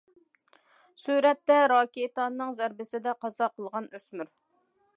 سۈرەتتە: راكېتانىڭ زەربىسىدە قازا قىلغان ئۆسمۈر.